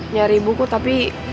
nyari buku tapi